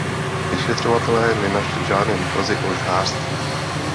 Vyšetřovatelé nenašli žádné důkazy o žhářství.